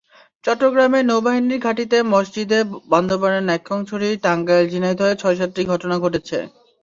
চট্টগ্রামের নৌবাহিনীর ঘাঁটিতে মসজিদে, বান্দরবানের নাইক্ষ্যংছড়ি, টাঙ্গাইল, ঝিনাইদহেও ছয়-সাতটি ঘটনা ঘটেছে।